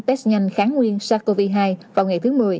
test nhanh kháng nguyên sars cov hai vào ngày thứ một mươi